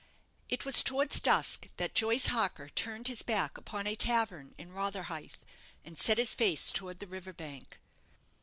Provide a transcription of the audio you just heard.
It was towards dusk that Joyce Harker turned his back upon a tavern in Rotherhithe, and set his face towards the river bank.